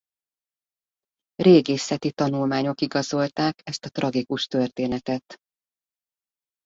Régészeti tanulmányok igazolták ezt a tragikus történetet.